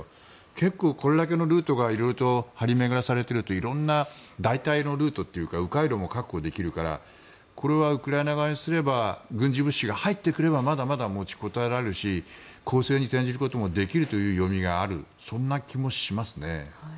結構これだけのルートが色々と張り巡らされていると色んな代替のルートというか迂回路も確保できるからこれはウクライナ側にすれば軍事物資が入ってくれば持ちこたえられるし攻勢に転じられるという読みがあるそんな気もします。